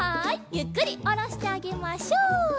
ゆっくりおろしてあげましょう。